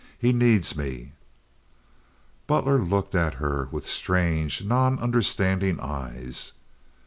He needs me." Butler looked at her with strange, non understanding eyes.